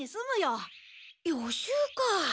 予習か。